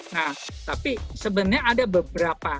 nah tapi sebenarnya ada beberapa